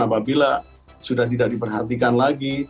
apabila sudah tidak diperhatikan lagi